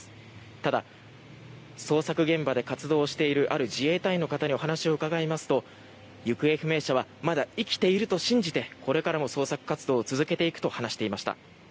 ただ、捜索現場で活動しているある自衛隊員の方にお話を伺いますと行方不明者はまだ生きていると信じてこれからも捜索活動を続けていくと話していました。